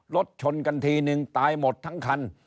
รถชนกันทีนึงตายหมดทั้งคัน